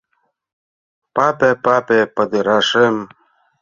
Папе, папе, падырашем